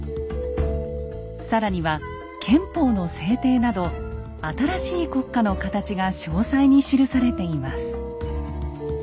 更には憲法の制定など新しい国家の形が詳細に記されています。